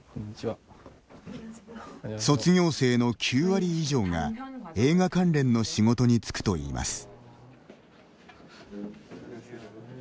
卒業生の９割以上が映画関連の仕事に就くといいます。